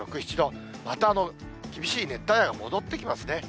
また厳しい熱帯夜が戻ってきますね。